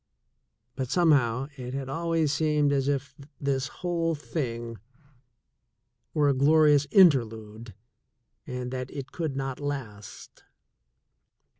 but, somehow, it had always seemed as if this whole thing were a glorious interlude and that it could not last.